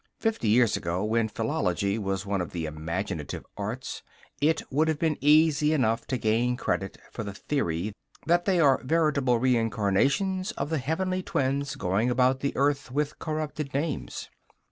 Fifty years ago, when philology was one of the imaginative arts, it would have been easy enough to gain credit for the theory that they are veritable reincarnations of the Heavenly Twins going about the earth with corrupted names.